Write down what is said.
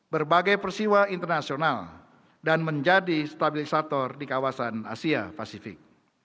berbagai persiwa internasional dan menjadi stabilisator di kawasan asia pasifik